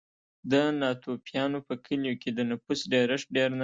د ناتوفیانو په کلیو کې د نفوسو ډېرښت ډېر نه دی.